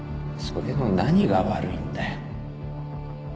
それの何が悪いんだよ